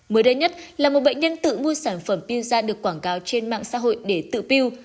mới đây nhất là một bệnh nhân tự mua sản phẩm piêu da được quảng cáo trên mạng xã hội để tự piêu